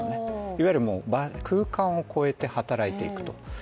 いわゆる空間を超えて働いていくと。